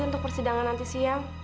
untuk persidangan nanti siang